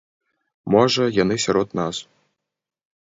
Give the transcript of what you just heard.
Можа, яны сярод нас.